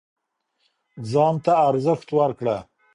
ځان ته ارزښت ورکړه